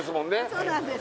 そうなんです